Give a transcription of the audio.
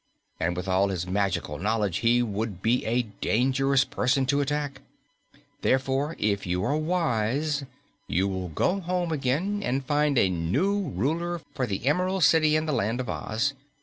And with all his magical knowledge he would be a dangerous person to attack. Therefore, if you are wise, you will go home again and find a new Ruler for the Emerald City and the Land of Oz.